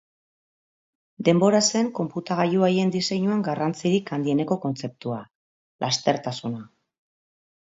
Denbora zen, konputagailu haien diseinuan, garrantzirik handieneko kontzeptua: lastertasuna.